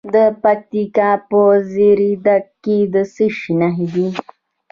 د پکتیکا په زیروک کې د څه شي نښې دي؟